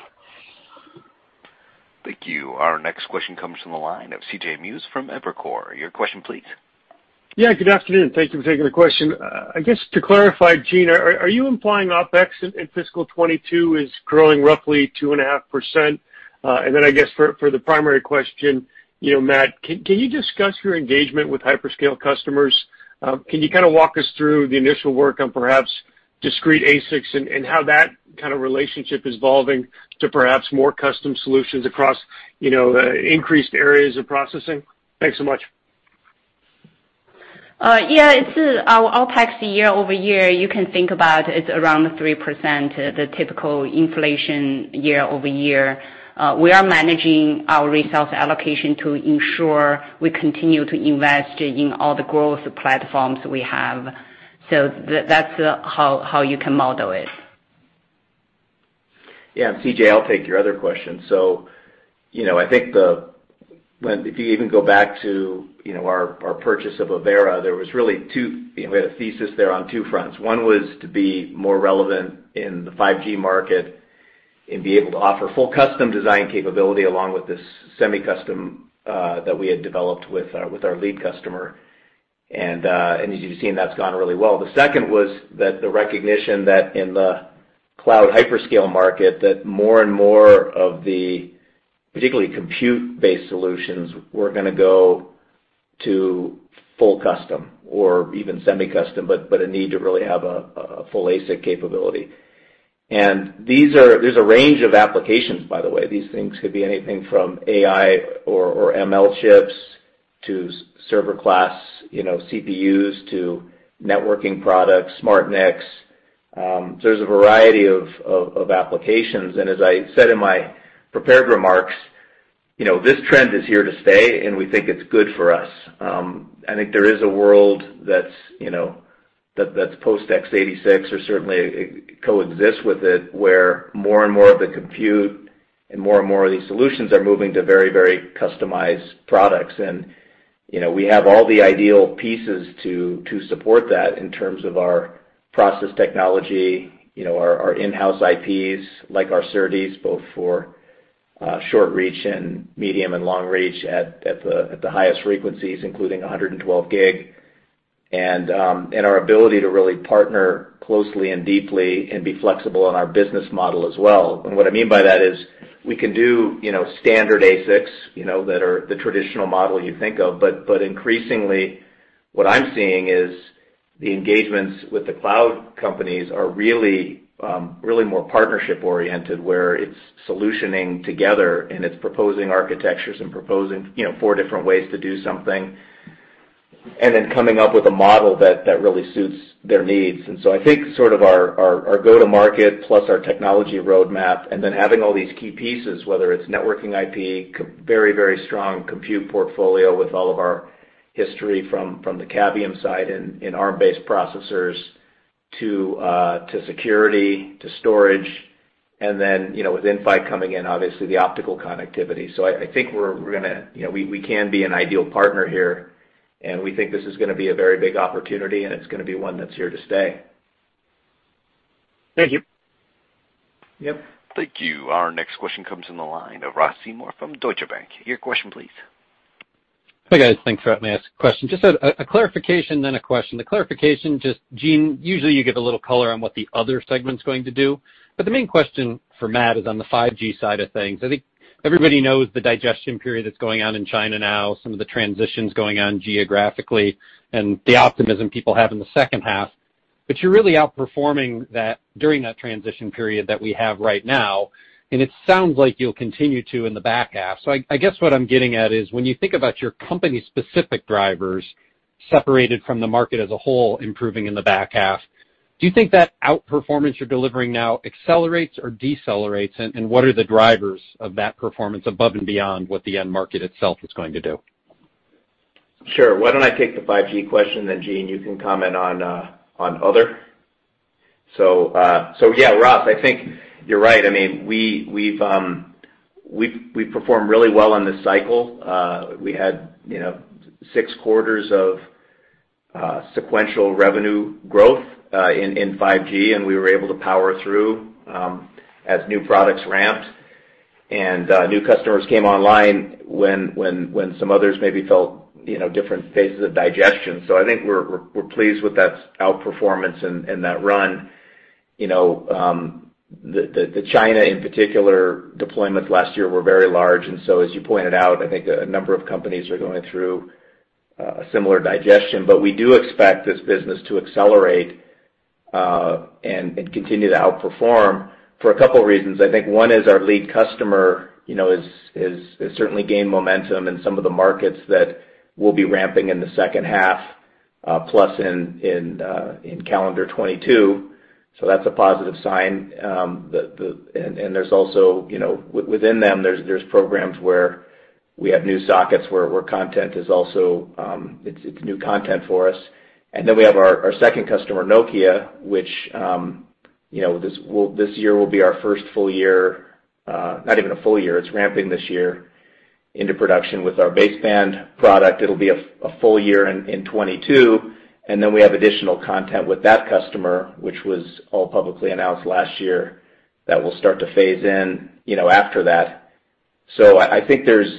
S1: Thank you. Our next question comes from the line of C.J. Muse from Evercore. Your question please.
S10: Yeah, good afternoon. Thank you for taking the question. I guess to clarify, Jean, are you implying OpEx in fiscal 2022 is growing roughly 2.5%? I guess for the primary question, Matt, can you discuss your engagement with hyperscale customers? Can you kind of walk us through the initial work on perhaps discrete ASICs and how that kind of relationship is evolving to perhaps more custom solutions across increased areas of processing? Thanks so much.
S4: Yeah. Our OpEx year-over-year, you can think about it's around 3%, the typical inflation year-over-year. We are managing our resource allocation to ensure we continue to invest in all the growth platforms we have. That's how you can model it.
S3: Yeah, C.J., I'll take your other question. I think if you even go back to our purchase of Avera, we had a thesis there on two fronts. One was to be more relevant in the 5G market and be able to offer full custom design capability along with this semi-custom that we had developed with our lead customer. As you've seen, that's gone really well. The second was that the recognition that in the cloud hyperscale market, that more and more of the particularly compute-based solutions were going to go to full custom or even semi-custom, but a need to really have a full ASIC capability. There's a range of applications, by the way. These things could be anything from AI or ML chips to server-class CPUs to networking products, SmartNICs. There's a variety of applications. As I said in my prepared remarks, this trend is here to stay, and we think it's good for us. I think there is a world that's post x86 or certainly coexist with it, where more and more of the compute and more and more of these solutions are moving to very customized products. We have all the ideal pieces to support that in terms of our process technology, our in-house IPs, like our SerDes, both for short reach and medium and long reach at the highest frequencies, including 112 Gb. Our ability to really partner closely and deeply and be flexible in our business model as well. What I mean by that is we can do standard ASICs that are the traditional model you think of. Increasingly, what I'm seeing is the engagements with the cloud companies are really more partnership-oriented, where it's solutioning together and it's proposing architectures and proposing four different ways to do something, and then coming up with a model that really suits their needs. I think sort of our go-to-market plus our technology roadmap and then having all these key pieces, whether it's networking IP, very strong compute portfolio with all of our history from the Cavium side in Arm-based processors to security, to storage. Then with Inphi coming in, obviously the optical connectivity. I think we can be an ideal partner here, and we think this is going to be a very big opportunity, and it's going to be one that's here to stay.
S10: Thank you.
S3: Yep.
S1: Thank you. Our next question comes in the line of Ross Seymore from Deutsche Bank. Your question, please.
S11: Hi, guys. Thanks for letting me ask a question. Just a clarification, then a question. The clarification, just, Jean, usually you give a little color on what the other segment's going to do. The main question for Matt is on the 5G side of things. I think everybody knows the digestion period that's going on in China now, some of the transitions going on geographically and the optimism people have in the second half. You're really outperforming that during that transition period that we have right now, and it sounds like you'll continue to in the back half. I guess what I'm getting at is when you think about your company-specific drivers separated from the market as a whole improving in the back half, do you think that outperformance you're delivering now accelerates or decelerates? What are the drivers of that performance above and beyond what the end market itself is going to do?
S3: Sure. Why don't I take the 5G question, then Jean, you can comment on other. Yeah, Ross, I think you're right. We've performed really well on this cycle. We had six quarters of sequential revenue growth in 5G, and we were able to power through as new products ramped and new customers came online when some others maybe felt different phases of digestion. I think we're pleased with that outperformance and that run. The China, in particular, deployments last year were very large. As you pointed out, I think a number of companies are going through a similar digestion. We do expect this business to accelerate and continue to outperform for a couple of reasons. I think one is our lead customer has certainly gained momentum in some of the markets that we'll be ramping in the second half, plus in calendar 2022. That's a positive sign. Within them, there's programs where we have new sockets where it's new content for us. We have our second customer, Nokia, which this year will be our first full year, not even a full year. It's ramping this year into production with our baseband product. It'll be a full year in 2022. We have additional content with that customer, which was all publicly announced last year, that will start to phase in after that. I think there's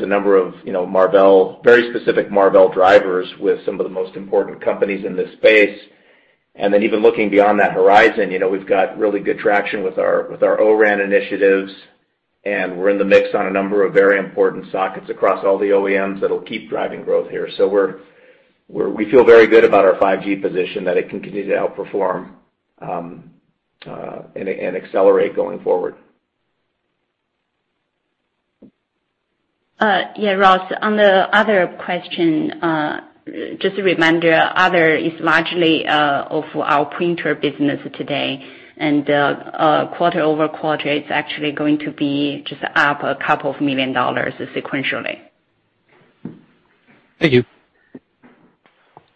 S3: a number of very specific Marvell drivers with some of the most important companies in this space. Even looking beyond that horizon, we've got really good traction with our O-RAN initiatives, and we're in the mix on a number of very important sockets across all the OEMs that'll keep driving growth here. We feel very good about our 5G position that it can continue to outperform and accelerate going forward.
S4: Yeah, Ross, on the other question, just a reminder, other is largely of our printer business today, and quarter-over-quarter, it's actually going to be just up a couple of million dollars sequentially.
S11: Thank you.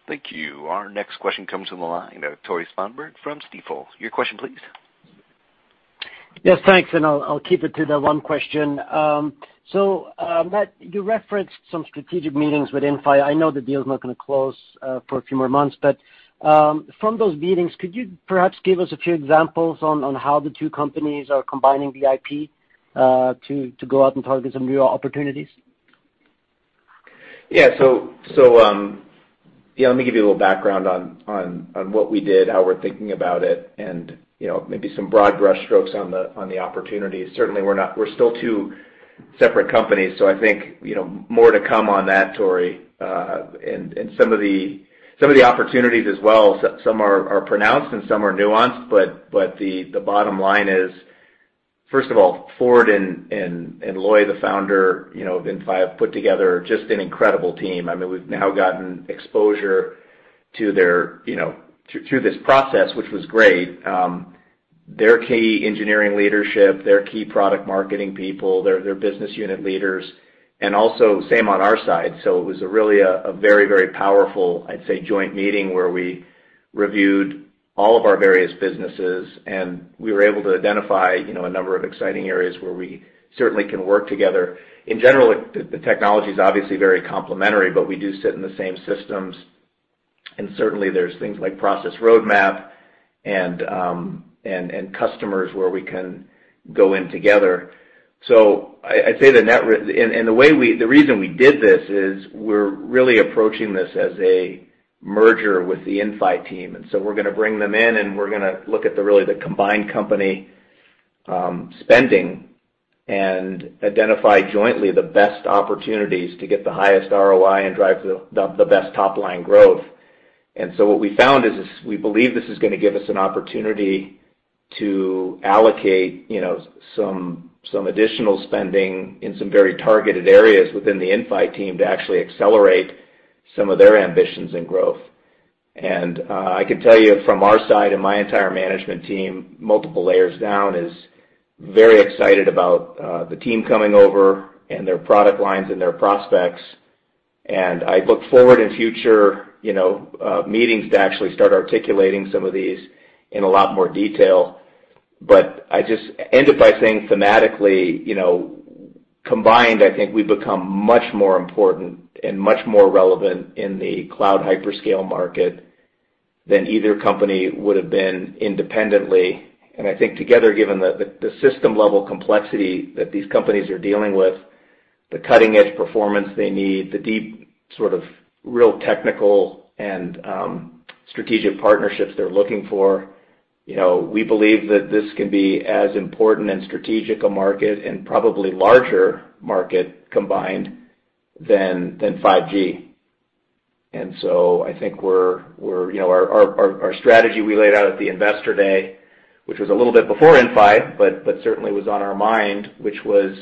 S1: Thank you. Our next question comes from the line of Tore Svanberg from Stifel. Your question, please.
S12: Yes, thanks, I'll keep it to the one question. Matt, you referenced some strategic meetings with Inphi. I know the deal is not going to close for a few more months. From those meetings, could you perhaps give us a few examples on how the two companies are combining the IP to go out and target some new opportunities?
S3: Let me give you a little background on what we did, how we're thinking about it, and maybe some broad brushstrokes on the opportunities. Certainly, we're still two separate companies, so I think more to come on that, Tore. Some of the opportunities as well, some are pronounced and some are nuanced, but the bottom line is, first of all, Ford and Loi, the founder of Inphi, put together just an incredible team. We've now gotten exposure through this process, which was great. Their key engineering leadership, their key product marketing people, their business unit leaders, and also same on our side. It was really a very, very powerful, I'd say, joint meeting where we reviewed all of our various businesses, and we were able to identify a number of exciting areas where we certainly can work together. In general, the technology's obviously very complementary, but we do sit in the same systems. Certainly, there's things like process roadmap and customers where we can go in together. The reason we did this is we're really approaching this as a merger with the Inphi team. We're going to bring them in, and we're going to look at the combined company spending and identify jointly the best opportunities to get the highest ROI and drive the best top-line growth. What we found is we believe this is going to give us an opportunity to allocate some additional spending in some very targeted areas within the Inphi team to actually accelerate some of their ambitions and growth. I can tell you from our side and my entire management team, multiple layers down is very excited about the team coming over and their product lines and their prospects. I look forward in future meetings to actually start articulating some of these in a lot more detail. I just end it by saying thematically, combined, I think we become much more important and much more relevant in the cloud hyperscale market than either company would've been independently. I think together, given the system-level complexity that these companies are dealing with, the cutting-edge performance they need, the deep sort of real technical and strategic partnerships they're looking for. We believe that this can be as important and strategic a market and probably larger market combined than 5G. I think our strategy we laid out at the Investor Day, which was a little bit before Inphi but certainly was on our mind, which was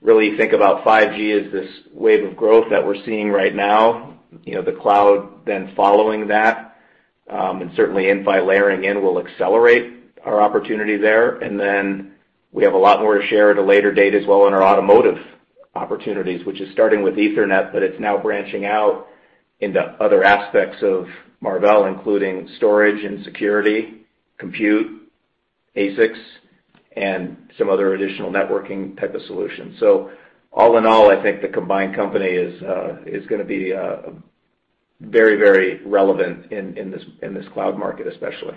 S3: really think about 5G as this wave of growth that we're seeing right now. The cloud then following that, and certainly Inphi layering in will accelerate our opportunity there. We have a lot more to share at a later date as well on our automotive opportunities, which is starting with Ethernet, but it's now branching out into other aspects of Marvell, including storage and security, compute, ASICs, and some other additional networking type of solutions. All in all, I think the combined company is going to be very, very relevant in this cloud market, especially.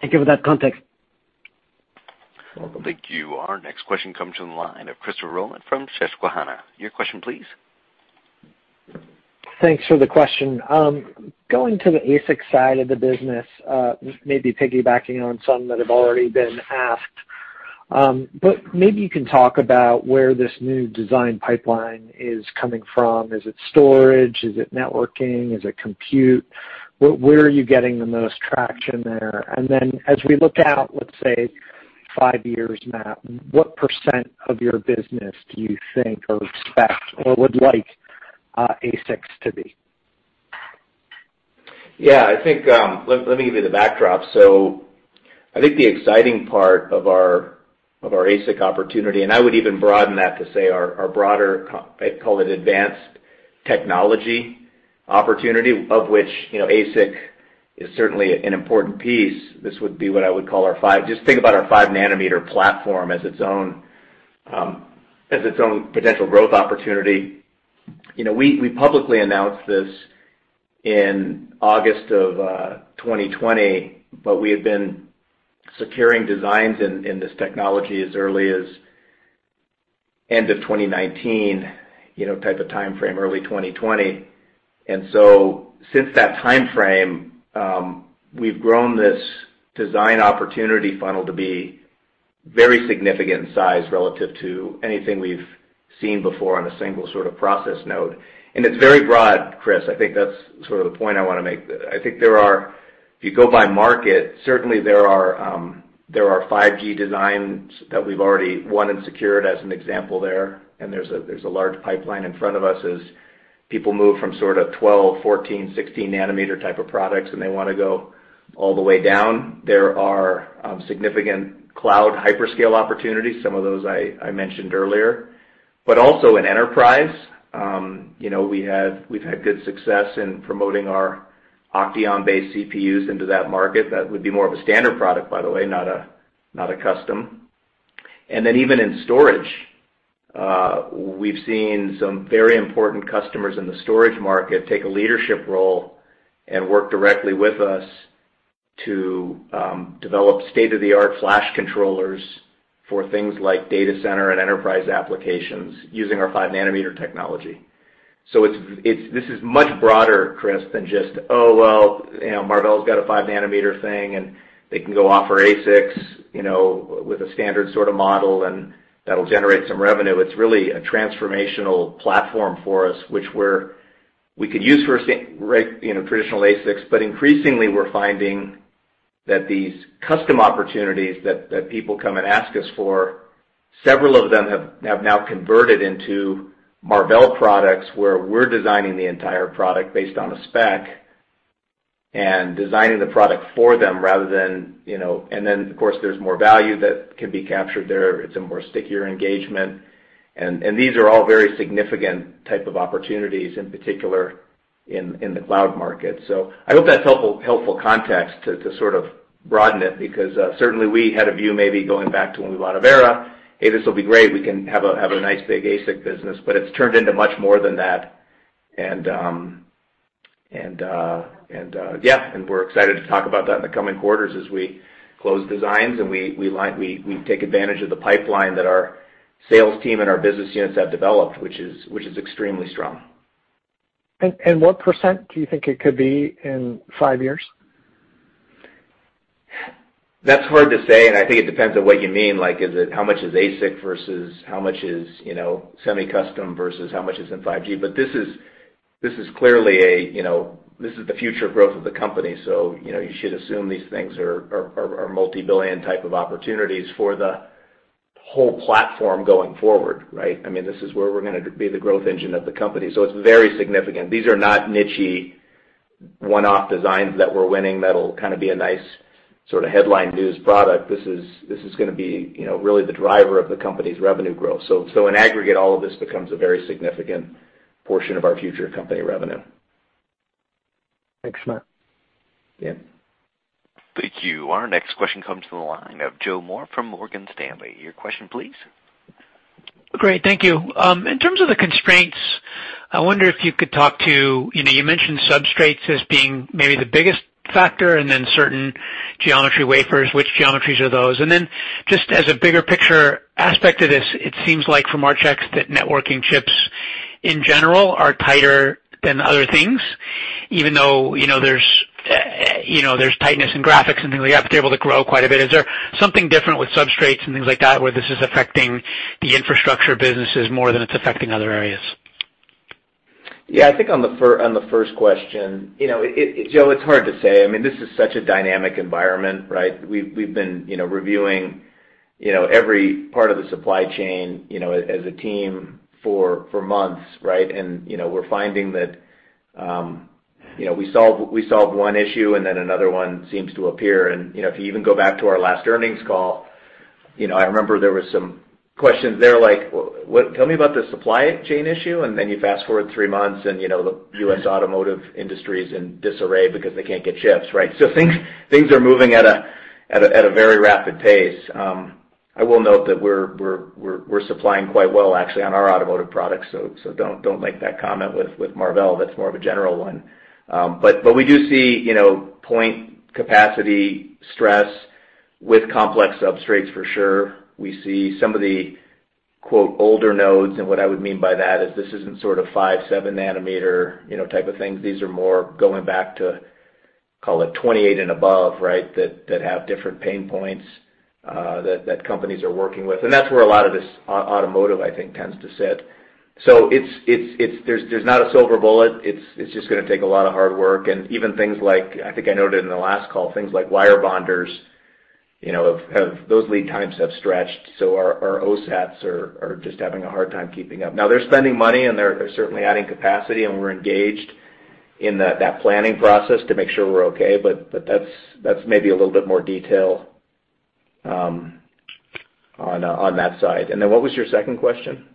S12: Thank you for that context.
S3: You're welcome.
S1: Thank you. Our next question comes from the line of Christopher Rolland from Susquehanna. Your question, please.
S13: Thanks for the question. Going to the ASIC side of the business, maybe piggybacking on some that have already been asked. Maybe you can talk about where this new design pipeline is coming from. Is it storage? Is it networking? Is it compute? Where are you getting the most traction there? As we look out, let's say, five years, Matt, what percent of your business do you think or expect or would like ASICs to be?
S3: Yeah. Let me give you the backdrop. I think the exciting part of our ASIC opportunity, and I would even broaden that to say our broader, I call it advanced technology opportunity, of which ASIC is certainly an important piece. Just think about our 5 nm platform as its own potential growth opportunity. We publicly announced this in August of 2020, but we had been securing designs in this technology as early as end of 2019 type of timeframe, early 2020. Since that timeframe, we've grown this design opportunity funnel to be very significant in size relative to anything we've seen before on a single sort of process node. It's very broad, Chris. I think that's sort of the point I want to make. I think if you go by market, certainly there are 5G designs that we've already won and secured as an example there. There's a large pipeline in front of us as people move from sort of 12, 14, 16 nm type of products, and they want to go all the way down. There are significant cloud hyperscale opportunities. Some of those I mentioned earlier, but also in enterprise. We've had good success in promoting our OCTEON-based CPUs into that market. That would be more of a standard product, by the way, not a custom. Even in storage, we've seen some very important customers in the storage market take a leadership role and work directly with us to develop state-of-the-art flash controllers for things like data center and enterprise applications using our 5 nm technology. This is much broader, Chris, than just, oh, well, Marvell's got a 5 nm thing, and they can go offer ASICs with a standard sort of model, and that'll generate some revenue. It's really a transformational platform for us, which we could use for traditional ASICs. Increasingly we're finding that these custom opportunities that people come and ask us for, several of them have now converted into Marvell products, where we're designing the entire product based on a spec and designing the product for them, and then, of course, there's more value that can be captured there. It's a stickier engagement. These are all very significant type of opportunities, in particular, in the cloud market. I hope that's helpful context to sort of broaden it because certainly we had a view maybe going back to when we bought Avera, hey, this will be great. We can have a nice big ASIC business. It's turned into much more than that. We're excited to talk about that in the coming quarters as we close designs and we take advantage of the pipeline that our sales team and our business units have developed, which is extremely strong.
S13: What percent do you think it could be in five years?
S3: That's hard to say, and I think it depends on what you mean. Like, is it how much is ASIC versus how much is semi-custom versus how much is in 5G? This is the future growth of the company, you should assume these things are multi-billion type of opportunities for the whole platform going forward, right? This is where we're going to be the growth engine of the company, it's very significant. These are not niche-y one-off designs that we're winning that'll kind of be a nice sort of headline news product. This is going to be really the driver of the company's revenue growth. In aggregate, all of this becomes a very significant portion of our future company revenue.
S13: Thanks, Matt.
S3: Yeah.
S1: Thank you. Our next question comes from the line of Joe Moore from Morgan Stanley. Your question, please.
S14: Great. Thank you. In terms of the constraints, I wonder if you could talk to, you mentioned substrates as being maybe the biggest factor and then certain geometry wafers, which geometries are those? Just as a bigger picture aspect of this, it seems like from our checks that networking chips in general are tighter than other things, even though there's tightness in graphics and things like that, but they're able to grow quite a bit. Is there something different with substrates and things like that, where this is affecting the infrastructure businesses more than it's affecting other areas?
S3: Yeah, I think on the first question, Joe, it's hard to say. This is such a dynamic environment, right? We've been reviewing every part of the supply chain as a team for months, right? We're finding that we solve one issue, then another one seems to appear. If you even go back to our last earnings call, I remember there were some questions there like, tell me about the supply chain issue. You fast-forward three months, and the U.S. automotive industry's in disarray because they can't get chips, right? Things are moving at a very rapid pace. I will note that we're supplying quite well, actually, on our automotive products, so don't make that comment with Marvell. That's more of a general one. We do see point capacity stress with complex substrates for sure. We see some of the, quote, older nodes, and what I would mean by that is this isn't sort of 5 nm, 7 nm type of things. These are more going back to, call it 28 and above, right, that have different pain points that companies are working with. That's where a lot of this automotive, I think, tends to sit. There's not a silver bullet. It's just going to take a lot of hard work. Even things like, I think I noted in the last call, things like wire bonders, those lead times have stretched, so our OSATs are just having a hard time keeping up. Now they're spending money, and they're certainly adding capacity, and we're engaged in that planning process to make sure we're okay, but that's maybe a little bit more detail on that side. Then what was your second question?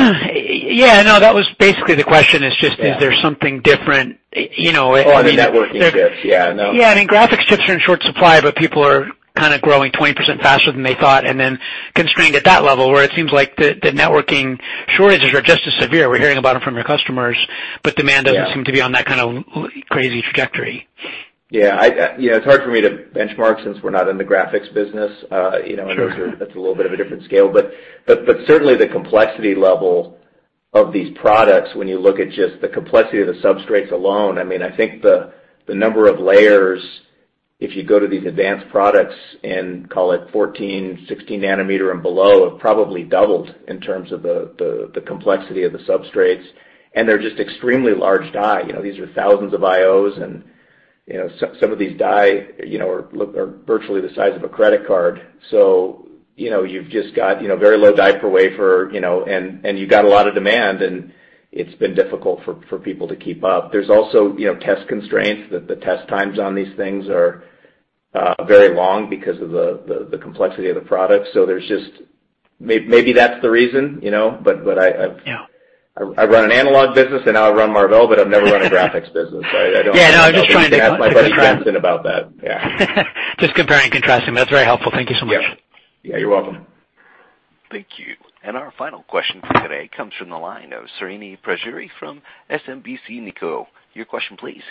S14: Yeah, no, that was basically the question, is just.
S3: Yeah.
S14: Is there something different?
S3: Oh, on the networking chips. Yeah, no.
S14: Yeah. I mean, graphics chips are in short supply, but people are kind of growing 20% faster than they thought, and then constrained at that level, where it seems like the networking shortages are just as severe. We're hearing about them from your customers.
S3: Yeah.
S14: Doesn't seem to be on that kind of crazy trajectory.
S3: Yeah. It's hard for me to benchmark since we're not in the graphics business.
S14: Sure.
S3: That's a little bit of a different scale. Certainly the complexity level of these products, when you look at just the complexity of the substrates alone, I think the number of layers, if you go to these advanced products and call it 14, 16 nm and below, have probably doubled in terms of the complexity of the substrates, and they're just extremely large die. These are thousands of IOs, and some of these die are virtually the size of a credit card. You've just got very low die-per-wafer, and you've got a lot of demand, and it's been difficult for people to keep up. There's also test constraints that the test times on these things are very long because of the complexity of the product. Maybe that's the reason.
S14: Yeah,
S3: I run an analog business and now I run Marvell, but I've never run a graphics business.
S14: Yeah, no, I'm just trying to-
S3: I'll have to ask my buddy Jensen about that. Yeah.
S14: Just comparing, contrasting. That's very helpful. Thank you so much.
S3: Yeah. You're welcome.
S1: Thank you. Our final question for today comes from the line of Srini Pajjuri from SMBC Nikko. Your question, please.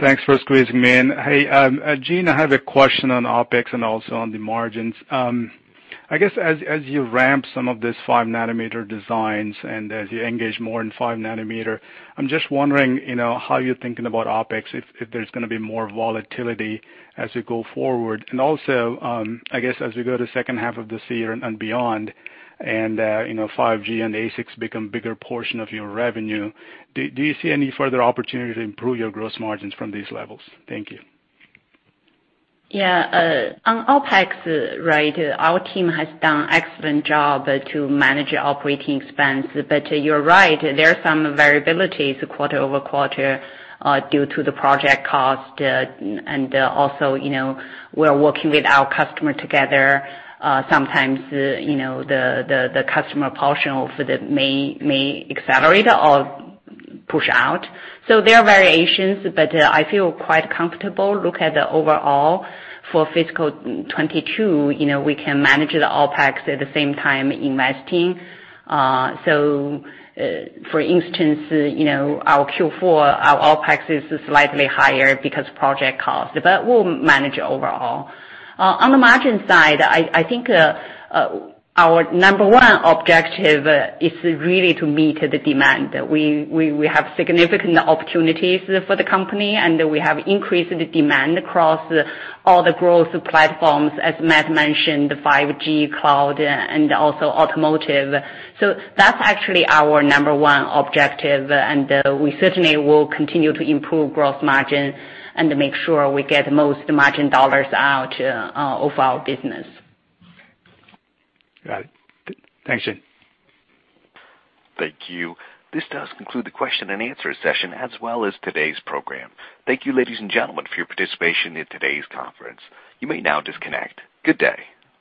S15: Thanks for squeezing me in. Hey, Jean, I have a question on OpEx and also on the margins. I guess as you ramp some of these 5 nm designs and as you engage more in 5 nm, I'm just wondering how you're thinking about OpEx, if there's going to be more volatility as we go forward. Also, I guess as we go to the second half of this year and beyond, 5G and ASICs become bigger portion of your revenue, do you see any further opportunity to improve your gross margins from these levels? Thank you.
S4: Yeah. On OpEx, our team has done excellent job to manage the operating expense. You're right, there are some variabilities quarter-over-quarter due to the project cost and also we're working with our customer together. Sometimes the customer portion for that may accelerate or push out. There are variations, I feel quite comfortable look at the overall for fiscal 2022, we can manage the OpEx at the same time investing. For instance our Q4, our OpEx is slightly higher because project cost, we'll manage overall. On the margin side, I think our number one objective is really to meet the demand. We have significant opportunities for the company, we have increased demand across all the growth platforms, as Matt mentioned, 5G, cloud, and also automotive. That's actually our number one objective, and we certainly will continue to improve gross margin and make sure we get the most margin dollars out of our business.
S15: Got it. Thanks, Jean.
S1: Thank you. This does conclude the question and answer session as well as today's program. Thank you, ladies and gentlemen, for your participation in today's conference. You may now disconnect. Good day.